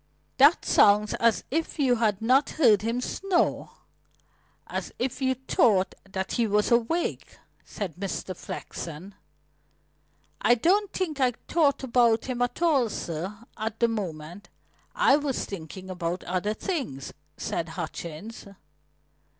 "That sounds as if you had not heard him snore as if you thought that he was awake," said Mr. Flexen. "I don't think I thought about him at all, sir, at the moment. I was thinking about other things," said Hutchings.